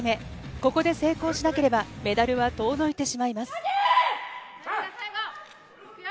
ここで成功しなければ、メダルは遠のいてしまいます。